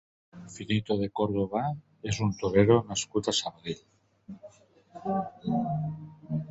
Finito de Córdoba és un torero nascut a Sabadell.